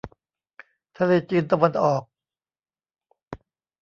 ทะเลจีนตะวันออก